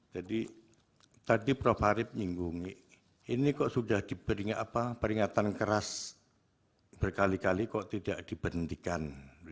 jadi tadi prof harip nyinggungi ini kok sudah diberingat apa peringatan keras berkali kali kok tidak diberhentikan